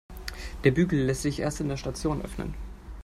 Der Bügel lässt sich erst in der Station öffnen.